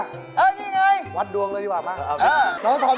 อ่าเอ้าสิดิจับได้จริงด้วย